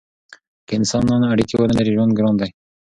که انسانان اړیکې ونلري ژوند ګران دی.